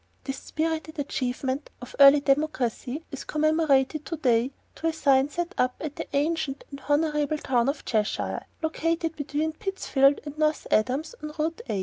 This spirited achievement of early democracy is commemorated today by a sign set up at the ancient and honorable town of Cheshire, located between Pittsfield and North Adams, on Route 8.